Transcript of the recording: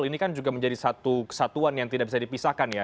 ini kan juga menjadi satu kesatuan yang tidak bisa dipisahkan ya